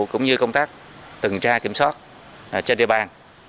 cũng như công tác từng tra kiểm soát trên địa bàn